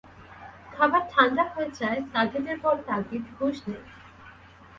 খাবার ঠাণ্ডা হয়ে যায়, তাগিদের পর তাগিদ, হুঁশ নেই।